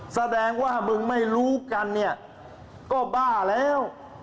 แสดงว่ามึงไม่รู้กันเนี่ยก็บ้าแล้ว